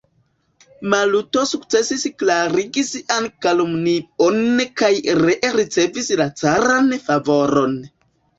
Maluto sukcesis klarigi sian kalumnion kaj ree ricevi la caran favoron.